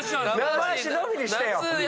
「ナマ足」のみにしてよ。